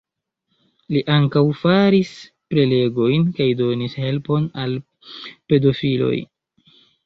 Li ankaŭ faris prelegojn kaj donis helpon al pedofiloj.